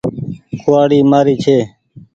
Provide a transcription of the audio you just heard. ڪوُوآڙي مآري ڇي ۔